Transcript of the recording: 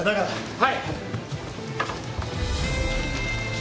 はい。